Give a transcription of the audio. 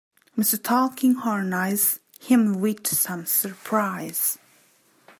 Mr. Tulkinghorn eyes him with some surprise.